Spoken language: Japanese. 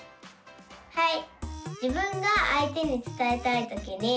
はい。